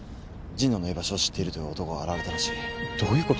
神野の居場所を知っているという男が現れたらしい。